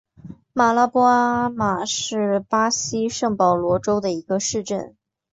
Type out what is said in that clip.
马拉波阿马是巴西圣保罗州的一个市镇。